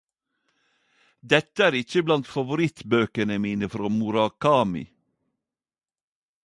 Dette er ikkje blant favorittbøkene mine frå Murakami.